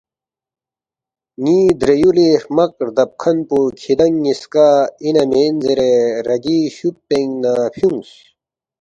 ن٘ی درے یُولی ہرمق ردب کھن پو کِھدانگ نِ٘یسکا اِنا مین زیرے رَگی شُوب پِنگ نہ فیُونگس،